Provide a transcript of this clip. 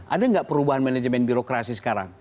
ada nggak perubahan manajemen birokrasi sekarang